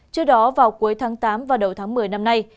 trước đó vào cuối tháng tám và đầu tháng một mươi năm nay